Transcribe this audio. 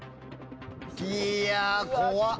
いや怖っ。